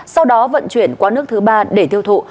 sau đó vận chuyển qua nước thứ ba để tiêu thụ